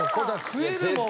食えるもん。